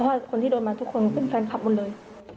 เพราะว่าคนที่โดนมาทุกคนเป็นแฟนคลับหมดเลย